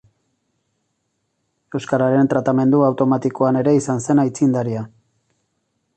Euskararen tratamendu automatikoan ere izan zen aitzindaria.